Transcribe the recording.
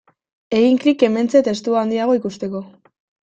Egin klik hementxe testua handiago ikusteko.